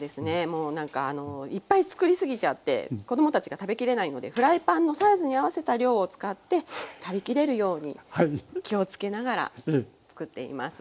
もうなんかあのいっぱい作り過ぎちゃって子供たちが食べきれないのでフライパンのサイズに合わせた量を使って食べきれるように気をつけながら作っていますはい。